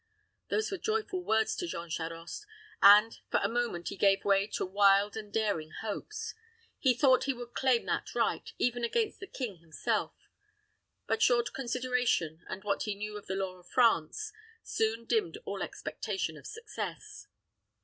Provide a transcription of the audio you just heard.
Those were joyful words to Jean Charost, and for a moment he gave way to wild and daring hopes. He thought he would claim that right, even against the king himself; but short consideration, and what he knew of the law of France, soon dimmed all expectation of success.